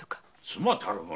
妻たる者